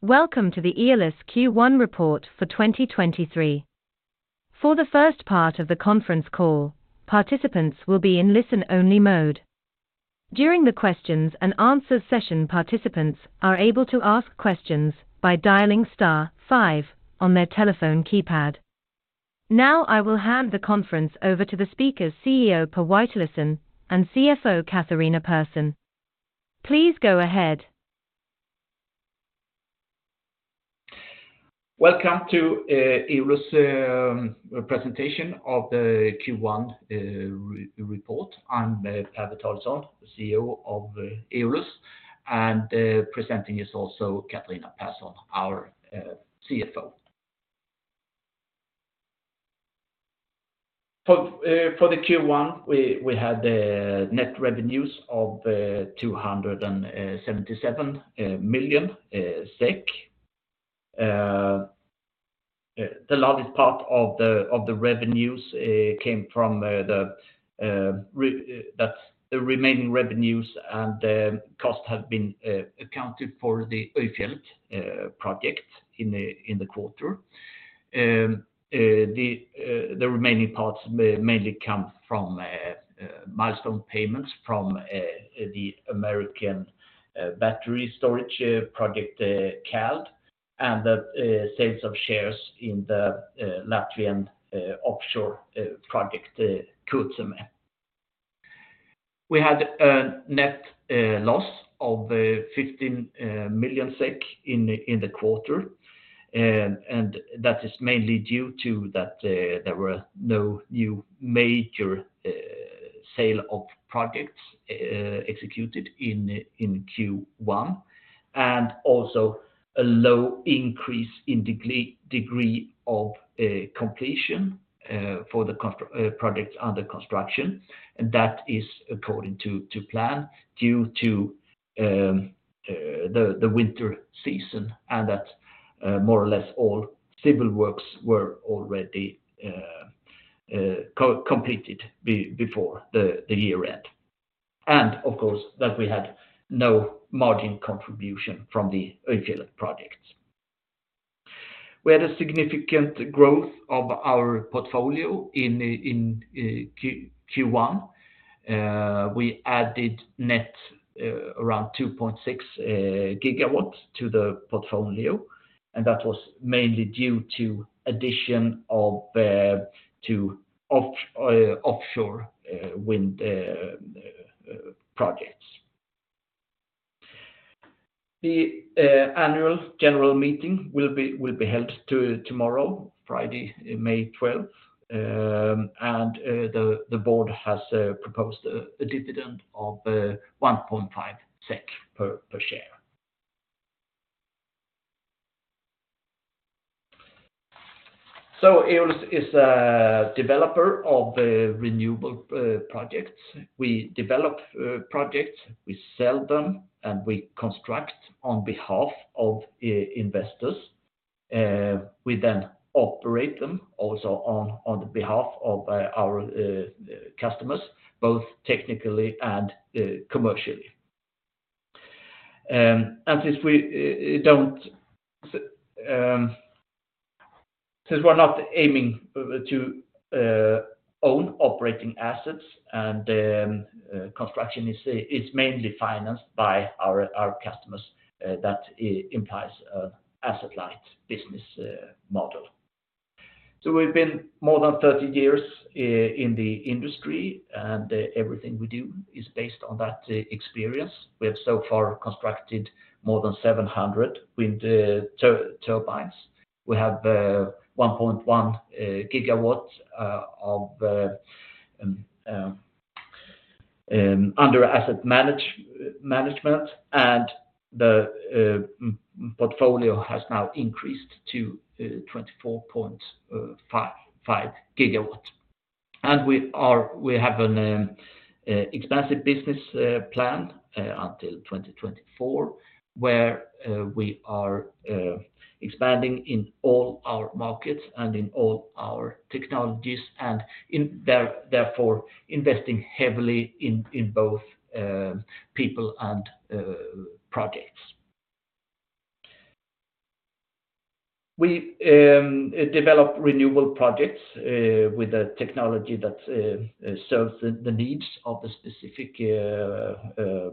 Welcome to the Eolus Q1 report for 2023. For the first part of the conference call, participants will be in listen-only mode. During the questions and answers session, participants are able to ask questions by dialing star five on their telephone keypad. I will hand the conference over to the speakers, CEO Per Witalisson and CFO Catharina Persson. Please go ahead. Welcome to Eolus presentation of the Q1 report. I'm Per Witalisson, CEO of Eolus, and presenting is also Catharina Persson, our CFO. For the Q1, we had net revenues of SEK 277 million. The largest part of the revenues came from the remaining revenues and the cost have been accounted for the Øyfjellet project in the quarter. The remaining parts mainly come from milestone payments from the American battery storage project CALD and the sales of shares in the Latvian offshore project Kurzeme. We had a net loss of 15 million SEK in the quarter. That is mainly due to that there were no new major sale of projects executed in Q1, and also a low increase in degree of completion for the projects under construction. That is according to plan due to the winter season and that more or less all civil works were already completed before the year end. Of course, that we had no margin contribution from the Øyfjellet projects. We had a significant growth of our portfolio in Q1. We added net around 2.6 gigawatts to the portfolio, and that was mainly due to addition of offshore wind projects. The annual general meeting will be held tomorrow, Friday, May 12th. The board has proposed a dividend of 1.5 SEK per share. Eolus is a developer of the renewable projects. We develop projects, we sell them, and we construct on behalf of investors. We then operate them also on the behalf of our customers, both technically and commercially. Since we're not aiming to own operating assets and construction is mainly financed by our customers, that implies a asset-light business model. We've been more than 30 years in the industry, and everything we do is based on that experience. We have so far constructed more than 700 wind turbines. We have 1.1 gigawatts of under asset management, and the management and the portfolio has now increased to 24.55 gigawatts. We have an expansive business plan until 2024, where we are expanding in all our markets and in all our technologies, and therefore investing heavily in both people and projects. We develop renewable projects with a technology that serves the needs of the specific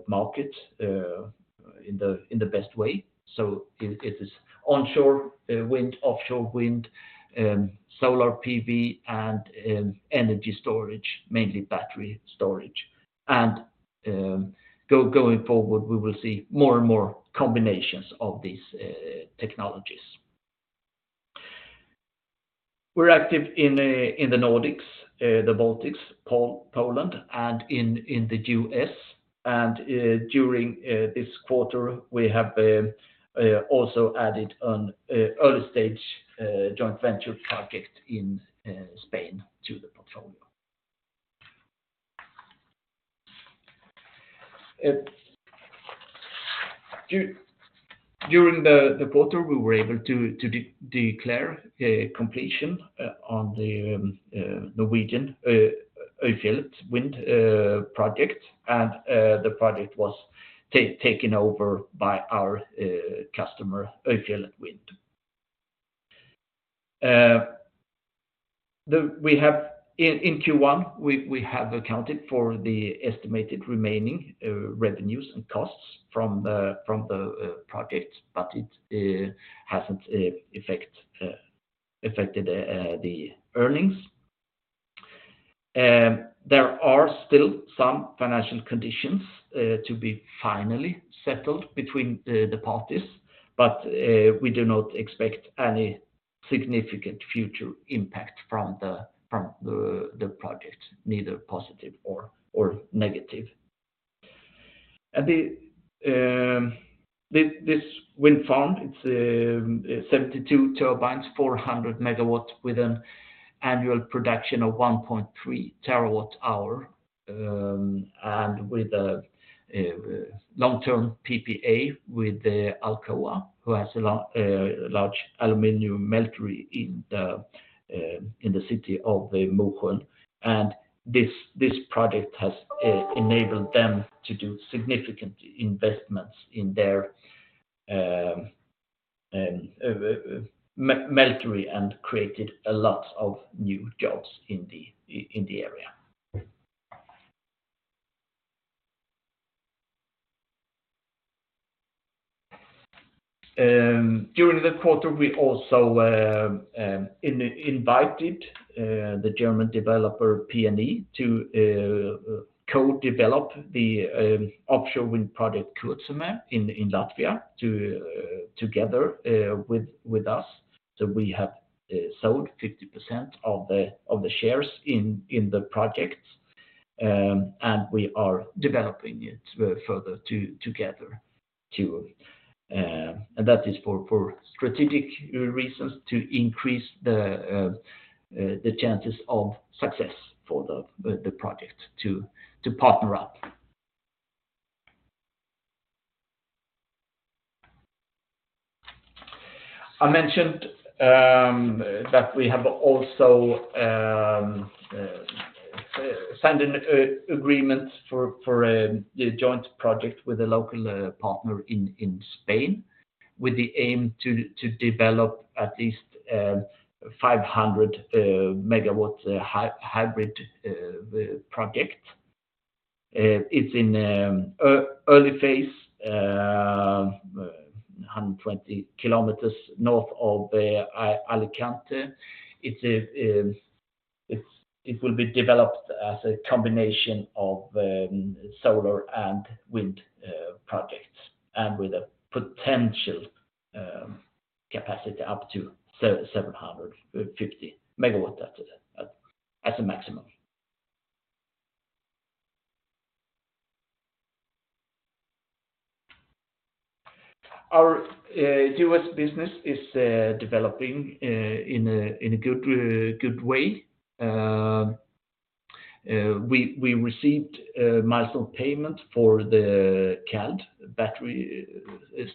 market in the best way. It is onshore wind, offshore wind, Solar PV, and energy storage, mainly battery storage. Going forward, we will see more and more combinations of these technologies. We're active in the Nordics, the Baltics, Poland, and in the U.S. During this quarter, we have also added an early-stage joint venture project in Spain to the portfolio. During the quarter, we were able to declare completion on the Norwegian Øyfjellet Wind project. The project was taken over by our customer, Øyfjellet Wind. In Q1, we have accounted for the estimated remaining revenues and costs from the project, it hasn't affected the earnings. There are still some financial conditions to be finally settled between the parties, we do not expect any significant future impact from the project, neither positive or negative. The wind farm, it's 72 turbines, 400 MW with an annual production of 1.3 TWh and with a long-term PPA with Alcoa, who has a large aluminum meltery in the city of Mo i Rana. This project has enabled them to do significant investments in their meltery and created a lot of new jobs in the area. During the quarter, we also invited the German developer PNE to co-develop the offshore wind project Kurzeme in Latvia together with us. We have sold 50% of the shares in the project, and we are developing it further together too. That is for strategic reasons to increase the chances of success for the project to partner up. I mentioned that we have also signed an agreement for a joint project with a local partner in Spain with the aim to develop at least 500 megawatt hybrid project. It's in early phase, 120 kilometers north of Alicante. It will be developed as a combination of solar and wind projects, and with a potential capacity up to 750 megawatts at a maximum. Our U.S. business is developing in a good way. We received a milestone payment for the CALD battery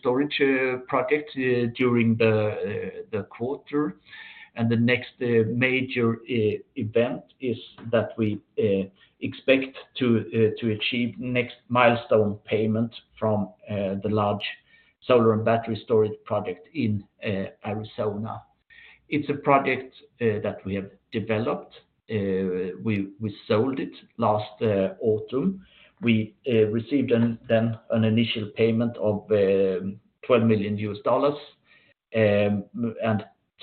storage project during the quarter. The next major e-event is that we expect to achieve next milestone payment from the large solar and battery storage project in Arizona. It's a project that we have developed. We sold it last autumn. We received an initial payment of $12 million.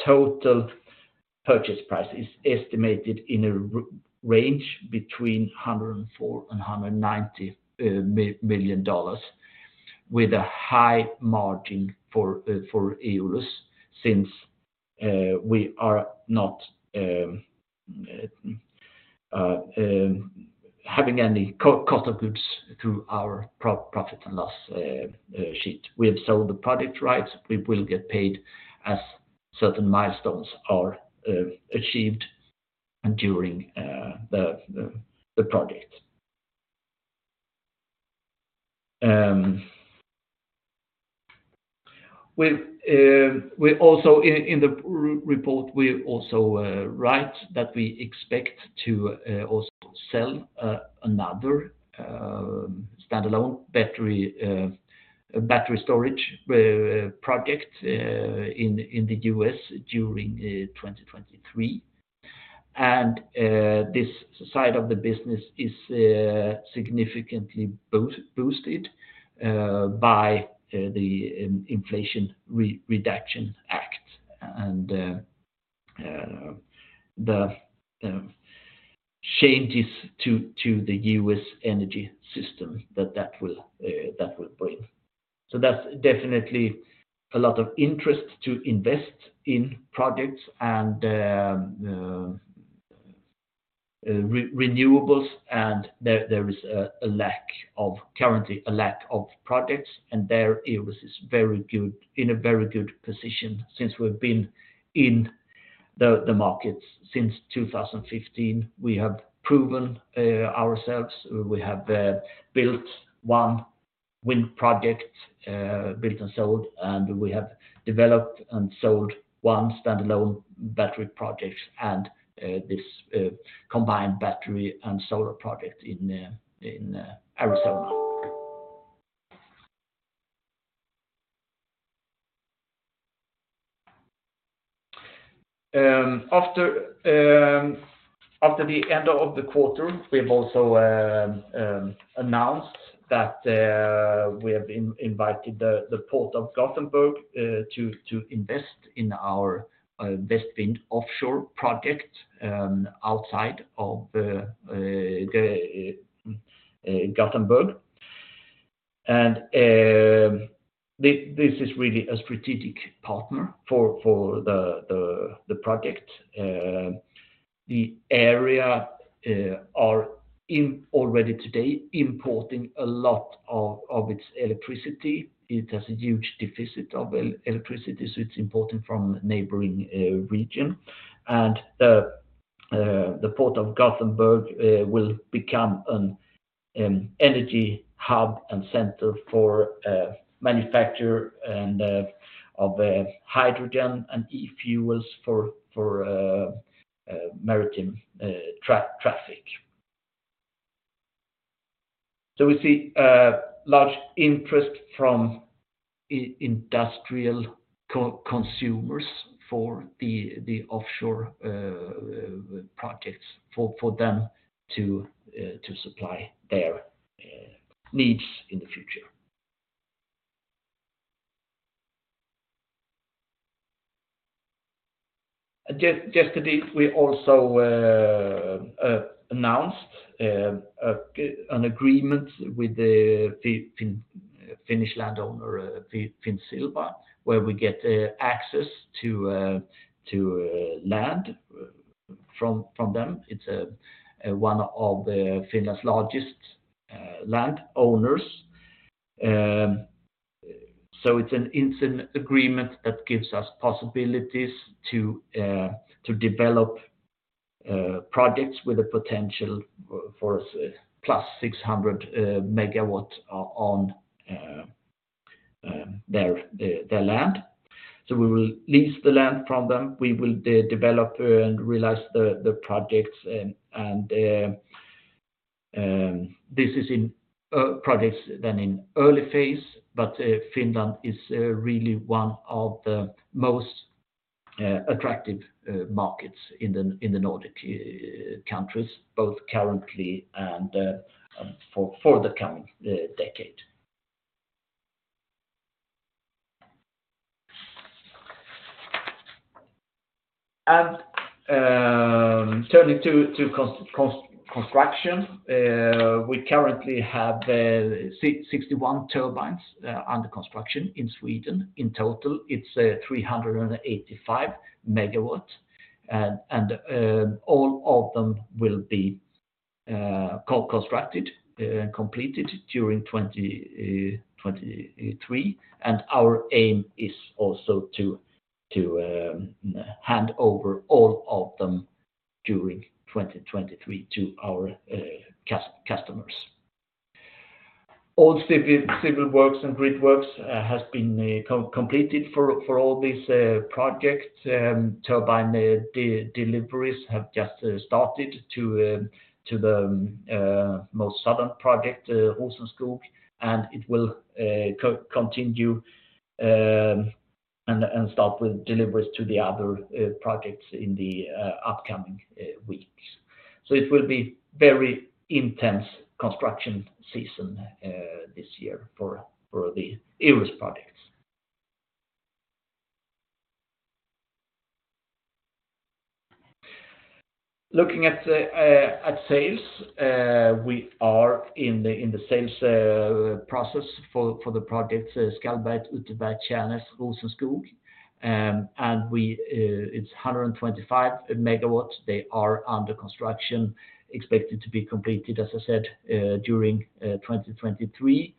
Total purchase price is estimated in a range between $104 million and $190 million with a high margin for Eolus since we are not having any cost of goods to our profit and loss sheet. We have sold the product rights. We will get paid as certain milestones are achieved and during the project. In the report, we also write that we expect to also sell another stand-alone battery storage project in the U.S. during 2023. This side of the business is significantly boosted by the Inflation Reduction Act and the changes to the U.S. energy system that will bring. That's definitely a lot of interest to invest in projects and renewables, and there is a lack of currently, a lack of projects. There Eolus is very good, in a very good position since we've been in the markets since 2015. We have proven ourselves. We have built OneWind projects, built and sold, and we have developed and sold one standalone battery project and this combined battery and solar project in Arizona. After the end of the quarter, we've also announced that we have invited the Port of Gothenburg to invest in our Västvind offshore project outside of Gothenburg. This is really a strategic partner for the project. The area are already today importing a lot of its electricity. It has a huge deficit of electricity, so it's importing from neighboring region. The Port of Gothenburg will become an energy hub and center for manufacture and of hydrogen and e-fuels for maritime traffic. We see large interest from industrial co-consumers for the offshore projects for them to supply their needs in the future. Just today, we also announced an agreement with the Finnish landowner Finnsilva, where we get access to land from them. It's one of the Finland's largest land owners. It's an incident agreement that gives us possibilities to develop projects with a potential for plus 600 megawatts on their land. We will lease the land from them. We will develop and realize the projects. This is in projects then in early phase, but Finland is really one of the most attractive markets in the Nordic countries, both currently and for the coming decade. Turning to construction, we currently have 61 turbines under construction in Sweden. In total, it's 385 megawatts. All of them will be constructed completed during 2023. Our aim is also to hand over all of them during 2023 to our customers. All civil works and grid works has been completed for all these projects. Turbine deliveries have just started to to the most southern project Åsenskog. It will continue and start with deliveries to the other projects in the upcoming weeks. It will be very intense construction season this year for the Eolus projects. Looking at at sales, we are in the sales process for the projects Skallberget, Utterberget, Tjärnäs, Åsenskog. We it's 125 megawatts. They are under construction, expected to be completed, as I said, during 2023.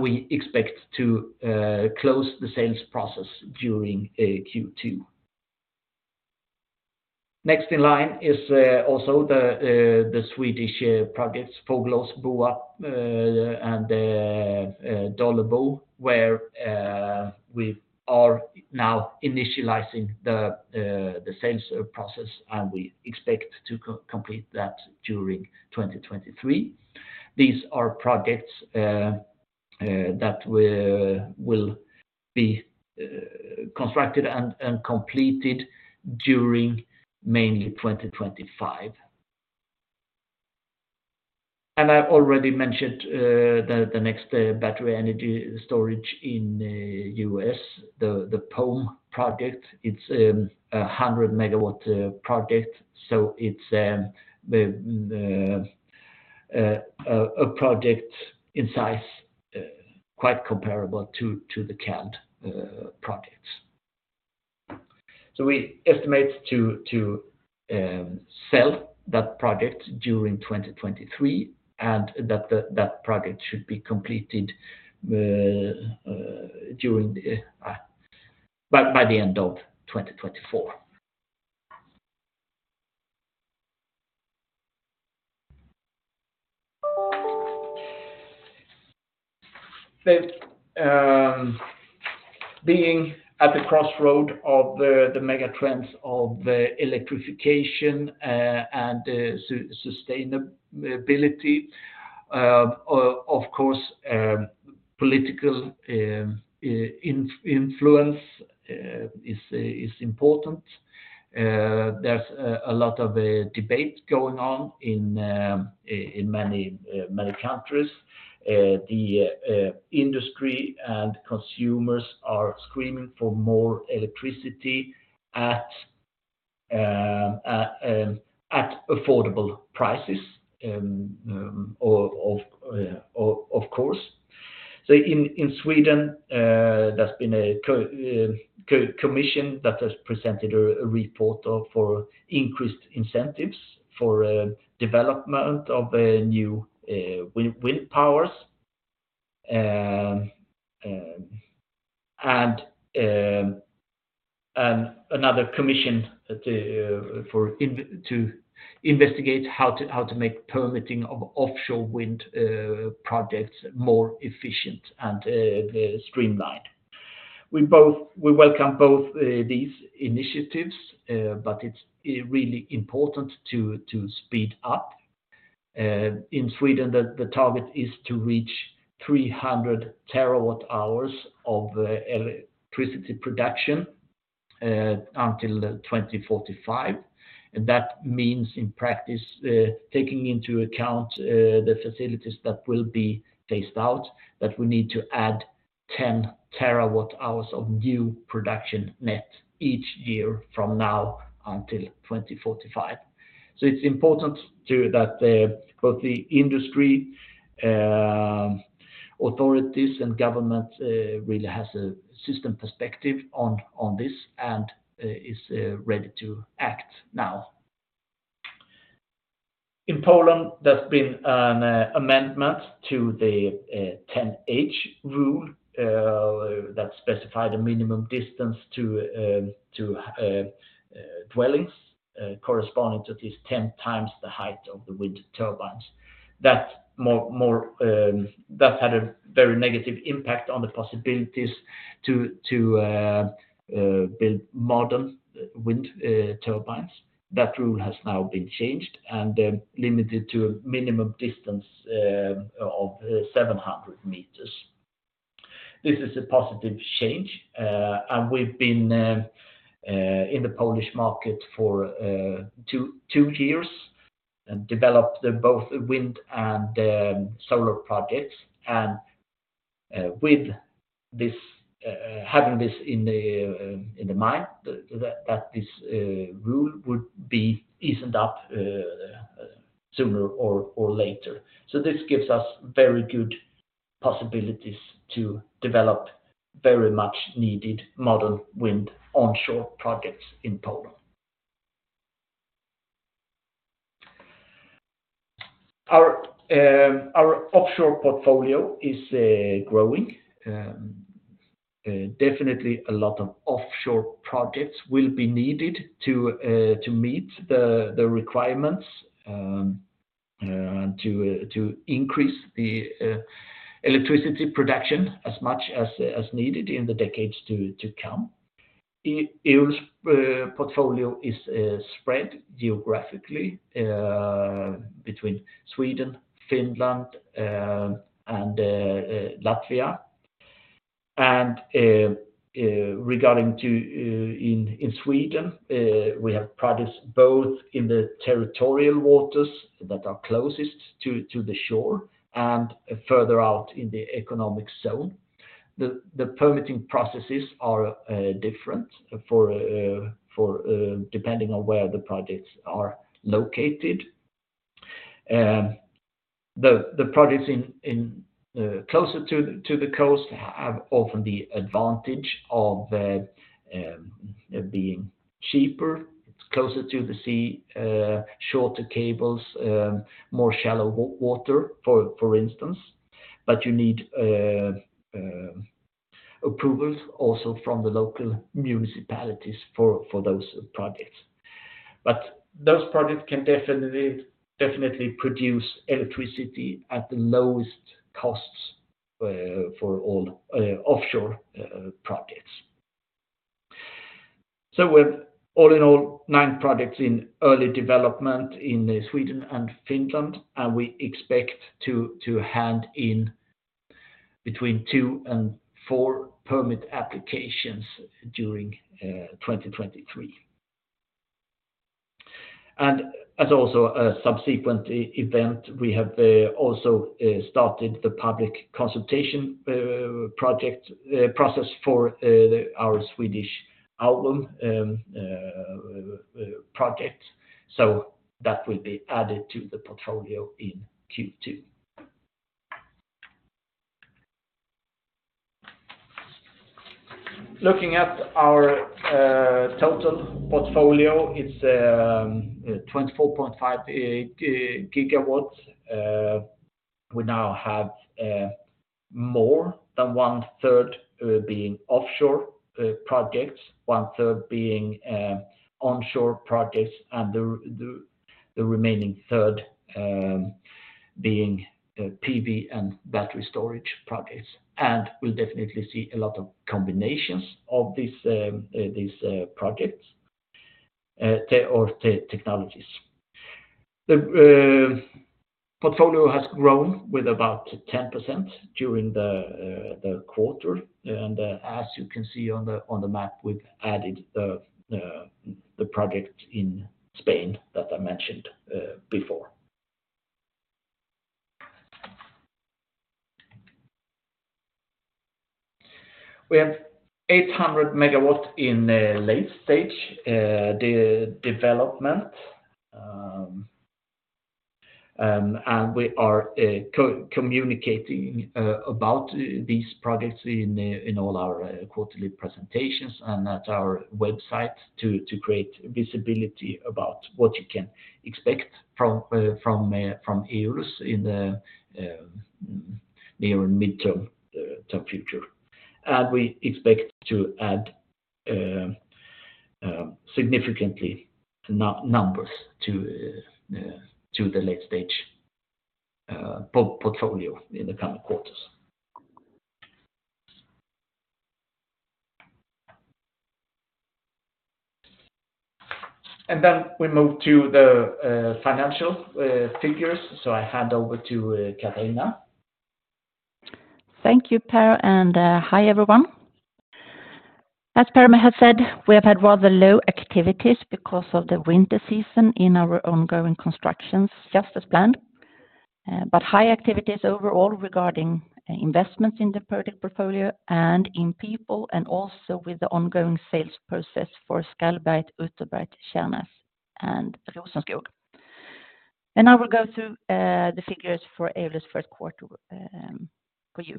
We expect to close the sales process during Q2. Next in line is also the Swedish projects, Fågelås, Bua, and Dållebo, where we are now initializing the sales process, and we expect to co-complete that during 2023. These are projects that will be constructed and completed during mainly 2025. I've already mentioned the next battery energy storage in U.S., the Pome project. It's 100 MW project. It's a project in size quite comparable to the Cald projects. We estimate to sell that project during 2023, and that project should be completed by the end of 2024. The being at the crossroad of the mega trends of the electrification and the sustainability, of course, political influence is important. There's a lot of debate going on in many countries. The industry and consumers are screaming for more electricity at affordable prices, of course. In Sweden, there's been a commission that has presented a report for increased for development of new wind powers. Another commission to investigate how to make permitting of offshore wind projects more efficient and streamlined. We welcome both these initiatives, it's really important to speed up. In Sweden, the target is to reach 300 terawatt-hours of electricity production until 2045. That means, in practice, taking into account the facilities that will be phased out, that we need to add 10 terawatt-hours of new production net each year from now until 2045. It's important that both the industry, authorities, and government really has a system perspective on this and is ready to act now. In Poland, there's been an amendment to the 10H rule that specified a minimum distance to dwellings corresponding to at least 10 times the height of the wind turbines. That had a very negative impact on the possibilities to build modern wind turbines. That rule has now been changed and limited to a minimum distance of 700 meters. This is a positive change. We've been in the Polish market for two years and developed the both wind and solar projects. With this, having this in the mind that this rule would be loosened up sooner or later. This gives us very good possibilities to develop very much needed modern wind onshore projects in Poland. Our offshore portfolio is growing. Definitely a lot of offshore projects will be needed to meet the requirements to increase the electricity production as much as needed in the decades to come. Eolus' portfolio is spread geographically between Sweden, Finland, and Latvia. Regarding to in Sweden, we have projects both in the territorial waters that are closest to the shore and further out in the economic zone. The permitting processes are different for depending on where the projects are located. The projects in closer to the coast have often the advantage of being cheaper, it's closer to the sea, shorter cables, more shallow water, for instance. You need approvals also from the local municipalities for those projects. Those projects can definitely produce electricity at the lowest costs for all offshore projects. With all in all nine projects in early development in Sweden and Finland, and we expect to hand in between two and four permit applications during 2023. As also a subsequent e-event, we have also started the public consultation project process for our Swedish album project. That will be added to the portfolio in Q2. Looking at our total portfolio, it's 24.5 gigawatts. We now have more than one third being offshore projects, one third being onshore projects, and the remaining third being PV and battery storage projects. We'll definitely see a lot of combinations of these projects, technologies. The portfolio has grown with about 10% during the quarter. As you can see on the map, we've added the project in Spain that I mentioned before. We have 800 MW in late stage development, and we are co-communicating about these projects in all our quarterly presentations and at our website to create visibility about what you can expect from Eolus in the near or midterm future. We expect to add significantly numbers to the late stage portfolio in the coming quarters. We move to the financial figures. I hand over to Catharina. Thank you, Per, and hi, everyone. As Per has said, we have had rather low activities because of the winter season in our ongoing constructions, just as planned. But high activities overall regarding investments in the project portfolio and in people and also with the ongoing sales process for Skallberget, Utterberget, Skärnes, and Åsenskog. I will go through the figures for Eolus first quarter for you.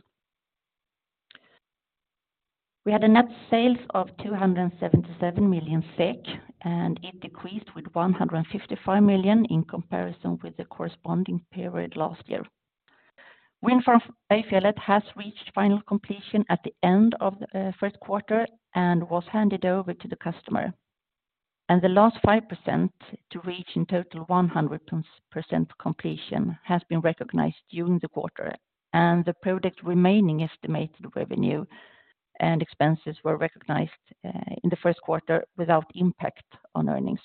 We had a net sales of 277 million SEK. It decreased with 155 million SEK in comparison with the corresponding period last year. Wind farm Edfället has reached final completion at the end of first quarter and was handed over to the customer. The last 5% to reach in total 100% completion has been recognized during the quarter, the project remaining estimated revenue and expenses were recognized in the first quarter without impact on earnings.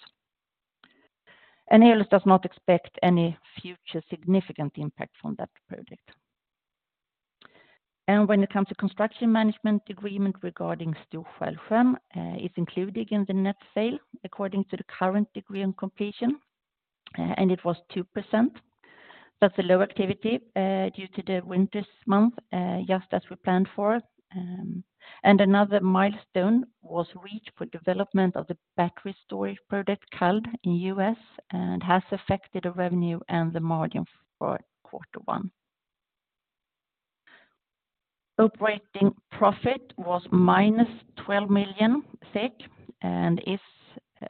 Eolus does not expect any future significant impact from that project. When it comes to construction management agreement reg``arding Storfällfremn, it's included in the net sale according to the current degree of completion, and it was 2%. That's a low activity due to the winter's month, just as we planned for. Another milestone was reached for development of the battery storage project, CALD, in U.S. and has affected the revenue and the margin for quarter one. Operating profit was -12 million SEK and is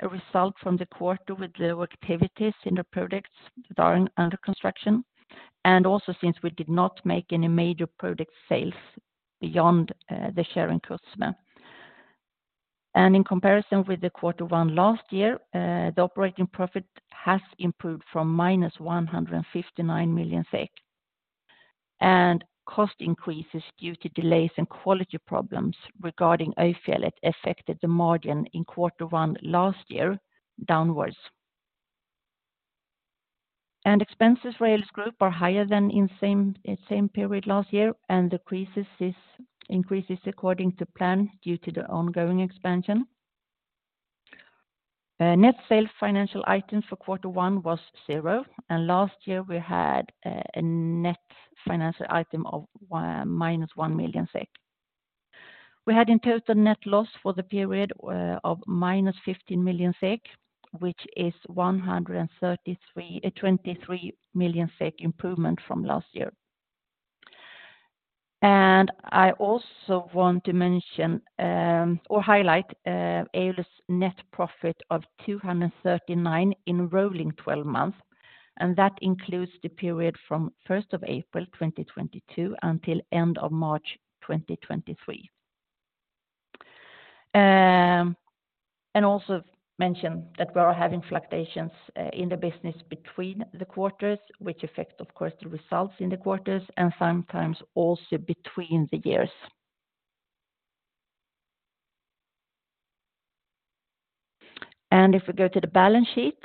a result from the quarter with low activities in the projects that are under construction. Also since we did not make any major project sales beyond the share in Kurzeme. In comparison with the Q1 last year, the operating profit has improved from minus 159 million SEK. Cost increases due to delays and quality problems regarding Edfället affected the margin in Q1 last year downwards. Expenses for Eolus Group are higher than in same period last year, and the increases according to plan due to the ongoing expansion. Net sales financial item for Q1 was 0, and last year we had a net financial item of minus 1 million SEK. We had in total net loss for the period of minus 15 million SEK, which is 23 million SEK improvement from last year. I also want to mention or highlight Eolus' net profit of 239 SEK in rolling 12 months, and that includes the period from first of April 2022 until end of March 2023. Also mention that we are having fluctuations in the business between the quarters, which affect, of course, the results in the quarters and sometimes also between the years. If we go to the balance sheet,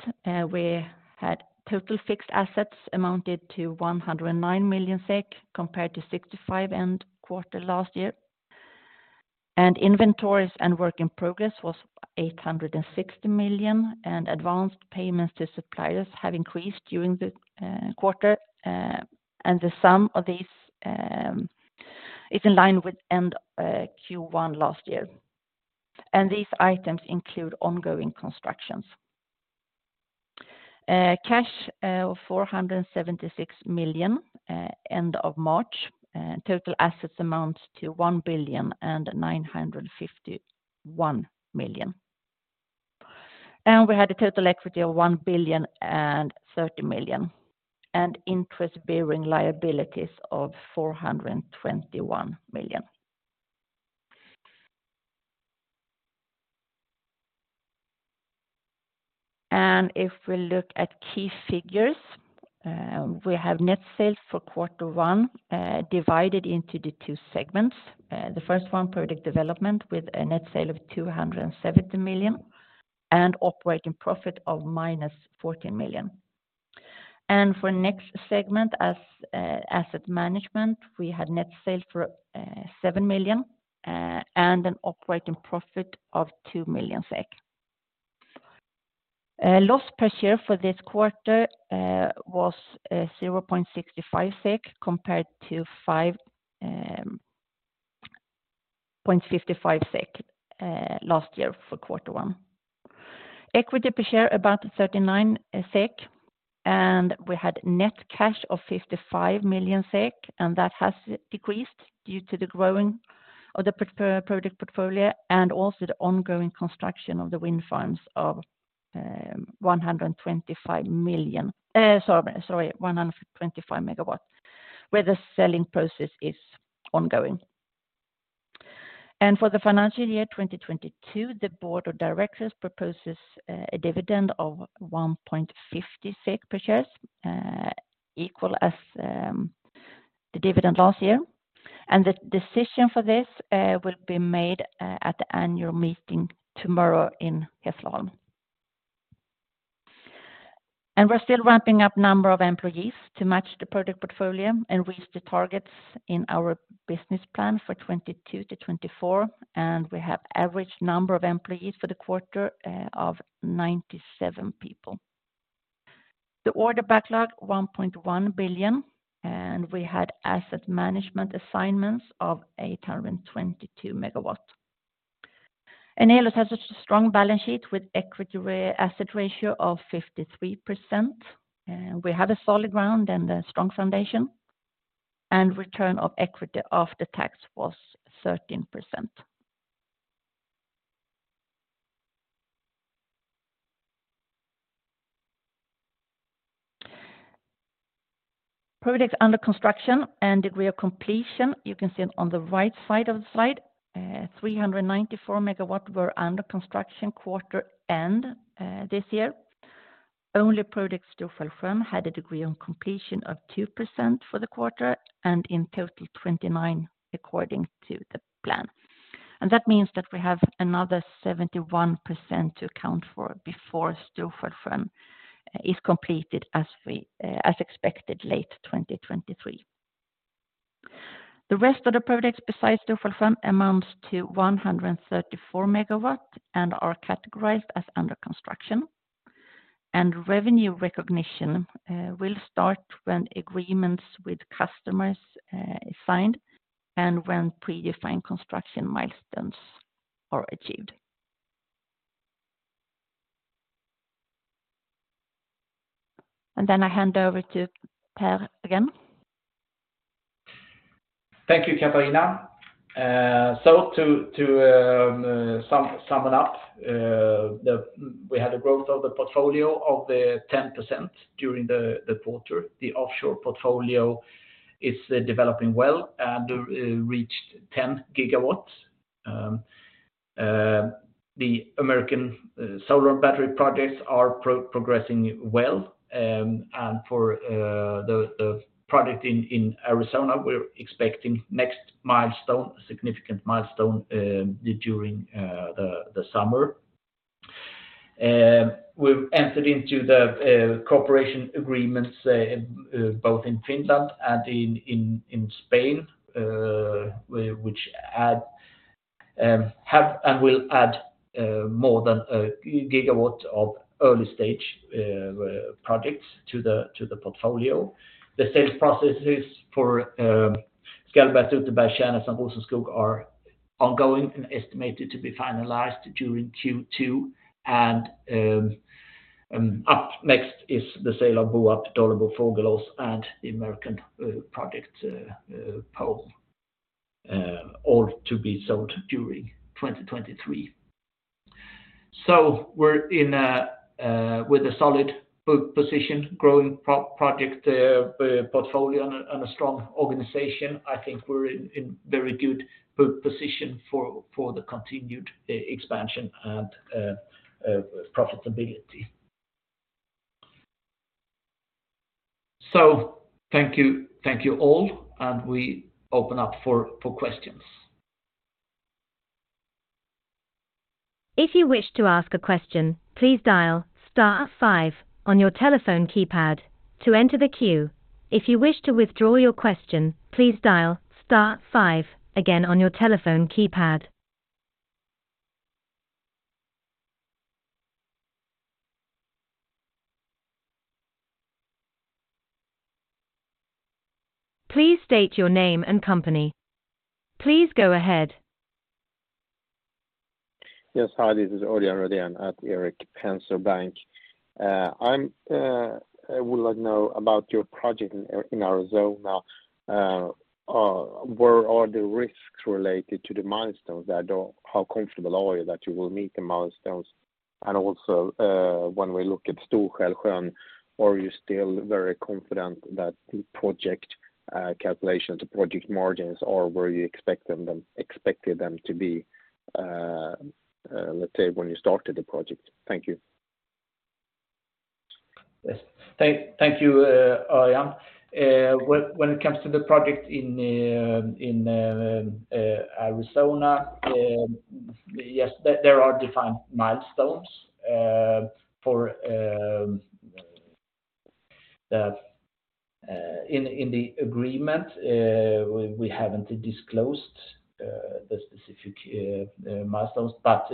we had total fixed assets amounted to 109 million SEK compared to 65 SEK end quarter last year. Inventories and work in progress was 860 million SEK, and advanced payments to suppliers have increased during the quarter, and the sum of these is in line with end Q1 last year. These items include ongoing constructions. Cash of 476 million end of March. Total assets amounts to 1,951 million. We had a total equity of 1,030 million, and interest-bearing liabilities of 421 million. If we look at key figures, we have net sales for Q1, divided into the two segments. The first one, product development, with a net sale of 270 million and operating profit of minus 14 million. For next segment as asset management, we had net sales for 7 million and an operating profit of 2 million SEK. Loss per share for this quarter was 0.65 SEK compared to 5.55 SEK last year for Q1. Equity per share about 39 SEK, and we had net cash of 55 million SEK, and that has decreased due to the growing of the project portfolio and also the ongoing construction of the wind farms of 125 million, 125 MW, where the selling process is ongoing. For the financial year 2022, the board of directors proposes a dividend of 1.50 SEK per shares, equal as the dividend last year. The decision for this will be made at the annual meeting tomorrow in Hässleholm. We're still ramping up number of employees to match the project portfolio and reach the targets in our business plan for 2022 to 2024. We have average number of employees for the quarter of 97 people. The order backlog, 1.1 billion. We had asset management assignments of 822 MW. Eolus has such a strong balance sheet with equity-weight asset ratio of 53%. We have a solid ground and a strong foundation. Return of equity after tax was 13%. Projects under construction and degree of completion, you can see it on the right side of the slide. 394 MW were under construction quarter end this year. Only project Storfällfremn had a degree of completion of 2% for the quarter and in total 29 according to the plan. That means that we have another 71% to account for before Storfällfremn is completed as we, as expected, late 2023. The rest of the projects besides Storfällfremn amounts to 134 MW and are categorized as under construction. Revenue recognition will start when agreements with customers is signed and when predefined construction milestones are achieved. I hand over to Per again. Thank you, Catharina. Summon up, we had a growth of the portfolio of the 10% during the quarter. The offshore portfolio is developing well and reached 10 gigawatts. The American solar battery projects are progressing well. For the project in Arizona, we're expecting next milestone, significant milestone during the summer. We've entered into the cooperation agreements both in Finland and in Spain, which add have and will add more than 1 gigawatt of early-stage projects to the portfolio. The sales processes for Skallberget, Utterberget, Skärnes and Åsenskog are ongoing and estimated to be finalized during Q2. Up next is the sale of Boarp, Dållebo, Fågelås, and the American project Pome, all to be sold during 2023. We're in a with a solid position, growing project portfolio and a strong organization. I think we're in very good position for the continued expansion and profitability. Thank you all, and we open up for questions. If you wish to ask a question, please dial star five on your telephone keypad to enter the queue. If you wish to withdraw your question, please dial star five again on your telephone keypad. Please state your name and company. Please go ahead. Yes. Hi, this is Örjan Rödén at Erik Penser Bank. I'm, I would like to know about your project in Arizona. Where are the risks related to the milestones? How comfortable are you that you will meet the milestones? Also, when we look at Stor-Skälsjön, are you still very confident that the project, calculations, the project margins are where you expect them, expected them to be, let's say, when you started the project? Thank you. Yes. Thank you, Örjan. When it comes to the project in Arizona, yes, there are defined milestones for in the agreement. We haven't disclosed the specific milestones, but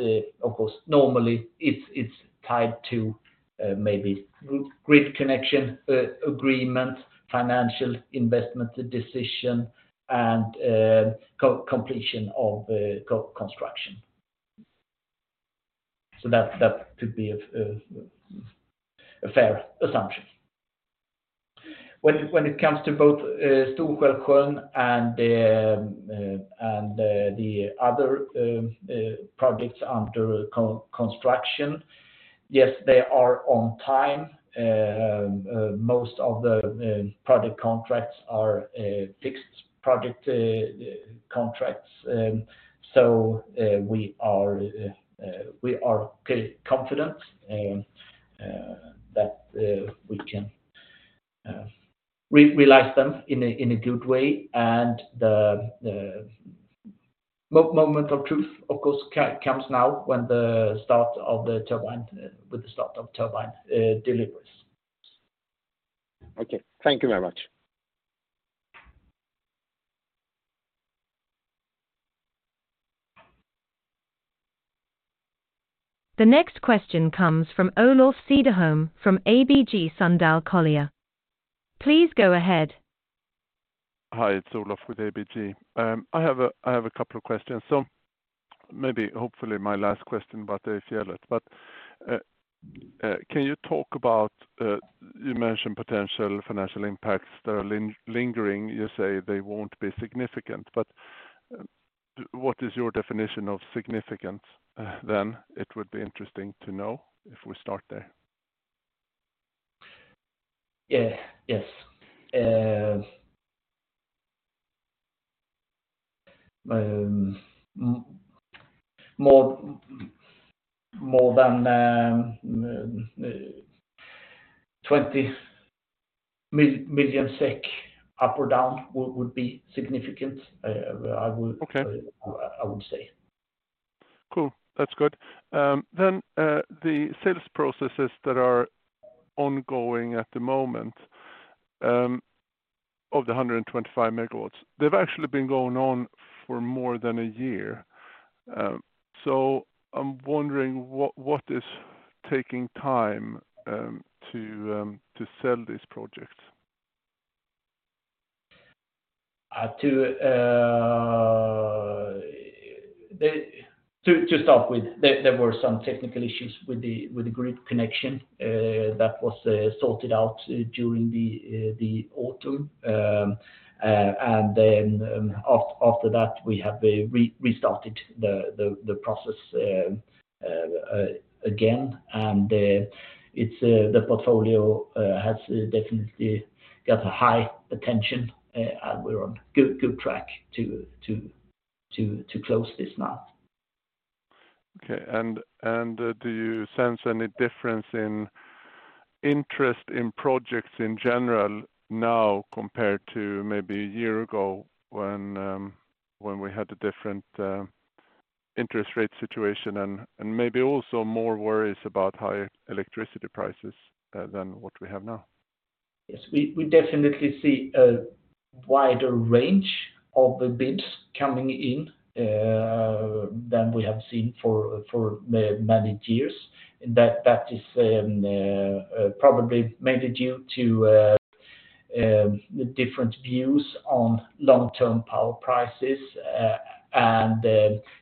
of course, normally it's tied to maybe grid connection agreement, financial investment decision, and co-completion of co-construction. That could be a fair assumption. When it comes to both Stor-Skälsjön and the other projects under construction, yes, they are on time. Most of the project contracts are fixed project contracts. We are confident that we can realize them in a good way. The moment of truth, of course, comes now when the start of the turbine, with the start of turbine, delivers. Okay. Thank you very much. The next question comes from Olof Cederholm from ABG Sundal Collier. Please go ahead. Hi, it's Olof with ABG. I have a couple of questions. Maybe, hopefully my last question about the Øyfjellet. Can you talk about, you mentioned potential financial impacts that are lingering. You say they won't be significant, but what is your definition of significant then? It would be interesting to know if we start there. Yeah. Yes. more than 20 million SEK up or down would be significant, I would. Okay I would say. Cool. That's good. The sales processes that are ongoing at the moment, of the 125 megawatts, they've actually been going on for more than a year. I'm wondering, what is taking time to sell these projects? To start with, there were some technical issues with the grid connection that was sorted out during the autumn. After that, we have restarted the process again. It's the portfolio has definitely got a high attention, and we're on good track to close this now. Okay. Do you sense any difference in interest in projects in general now compared to maybe a year ago when we had a different interest rate situation and maybe also more worries about higher electricity prices than what we have now? Yes, we definitely see a wider range of the bids coming in, than we have seen for many years. That is probably mainly due to the different views on long-term power prices, and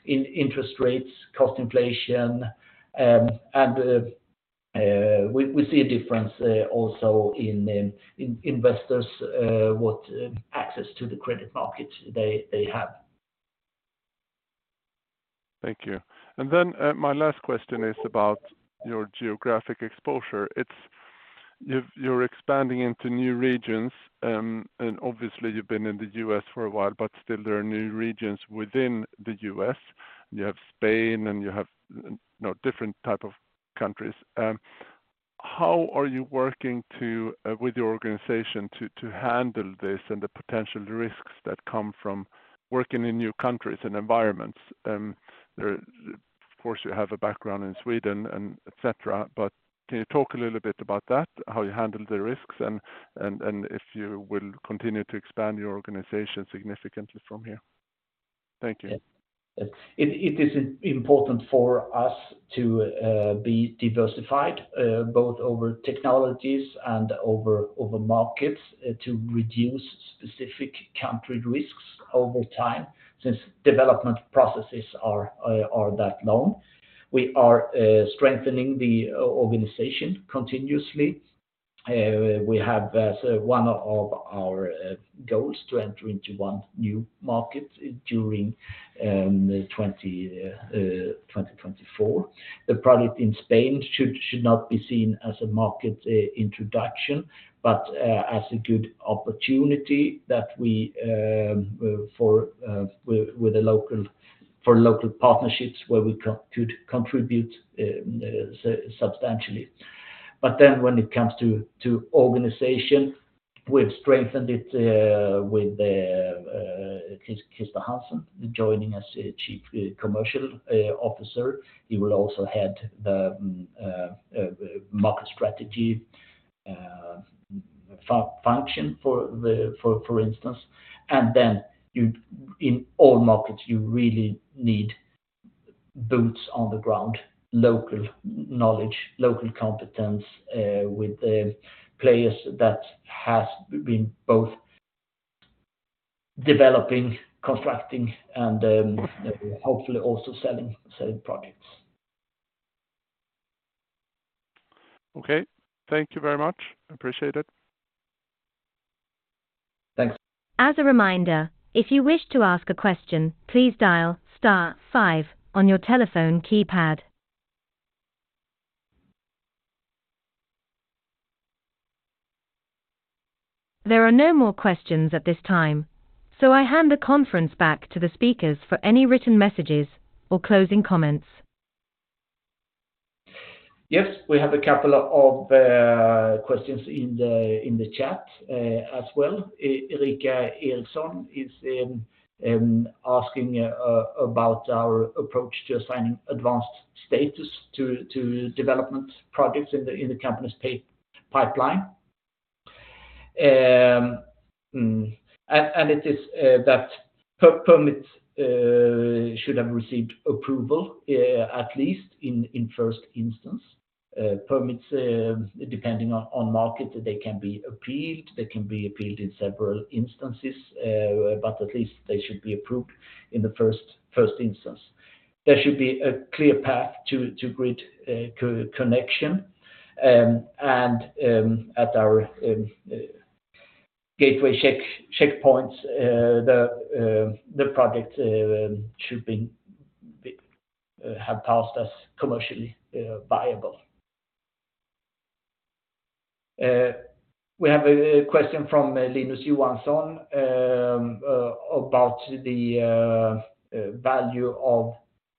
interest rates, cost inflation. We see a difference also in investors, what access to the credit markets they have. Thank you. My last question is about your geographic exposure. You're expanding into new regions, obviously you've been in the U.S. for a while, but still there are new regions within the U.S. You have Spain, you have, you know, different type of countries. How are you working with your organization to handle this and the potential risks that come from working in new countries and environments? There, of course, you have a background in Sweden and etcetera, can you talk a little bit about that, how you handle the risks and if you will continue to expand your organization significantly from here? Thank you. Yes. It is important for us to be diversified, both over technologies and over markets to reduce specific country risks over time since development processes are that long. We are strengthening the organization continuously. We have one of our goals to enter into one new market during 2024. The project in Spain should not be seen as a market introduction, but as a good opportunity that we for with local partnerships where we could contribute substantially. When it comes to organization, we've strengthened it with Christer Hansen joining as Chief Commercial Officer. He will also head the market strategy function for instance. In all markets, you really need boots on the ground, local knowledge, local competence with the players that has been both developing, constructing, and hopefully also selling projects. Okay. Thank you very much. I appreciate it. Thanks. As a reminder, if you wish to ask a question, please dial star 5 on your telephone keypad. There are no more questions at this time, I hand the conference back to the speakers for any written messages or closing comments. Yes, we have a couple of questions in the chat as well. Erika Eliasson is asking about our approach to assigning advanced status to development projects in the company's pay pipeline. It is that permits should have received approval at least in first instance. Permits, depending on market, they can be appealed, they can be appealed in several instances, but at least they should be approved in the first instance. There should be a clear path to grid co-connection, and at our gateway checkpoints, the project should have passed as commercially viable. We have a question from Linus Johansson about the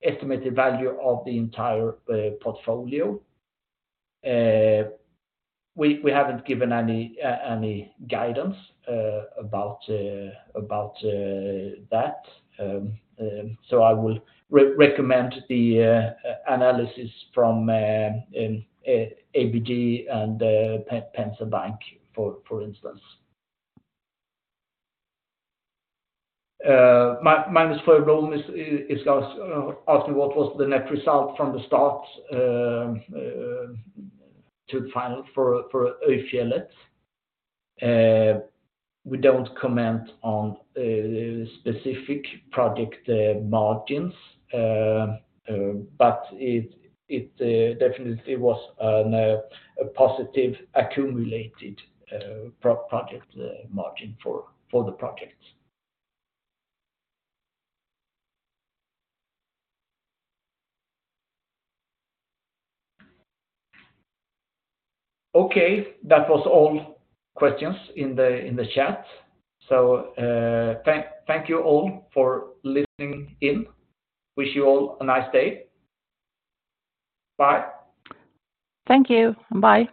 estimated value of the entire portfolio. We haven't given any guidance about that. I will recommend the analysis from ABG and Erik Penser Bank, for instance. Magnus Sjöblom is asking what was the net result from the start to the final for Øyfjellet. We don't comment on specific project margins. It definitely was a positive accumulated project margin for the projects. Okay. That was all questions in the chat. Thank you all for listening in. Wish you all a nice day. Bye. Thank you, and bye.